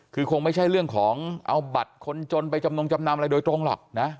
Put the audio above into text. คือคงไม่ใช่เรื่องของเอาบัตรคนจนไปจำนงจำนำอะไรโดยตรงหรอกนะ